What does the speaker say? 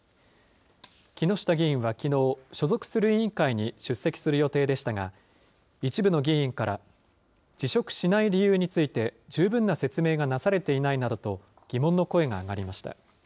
木下議員はきのう、所属する委員会に出席する予定でしたが、一部の議員から、辞職しない理由について、十分な説明がなされていないなどと、疑問の声が上がりました。